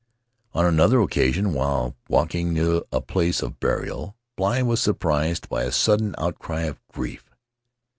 On another occasion, while walk ing near a place of burial, Bligh was "surprised by a sudden outcry of grief.